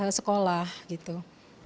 departemen kimia fkui juga mengajak relawan